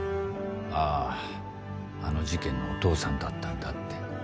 ああの事件のお父さんだったんだって。